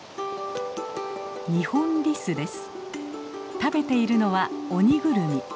食べているのはオニグルミ。